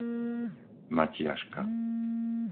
Matiaška